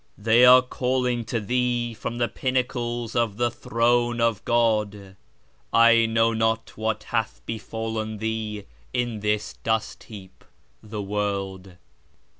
" They are calling to thee from the pinnacles of the throne of God : I know not what hath befallen thee in this dust heap " (the world).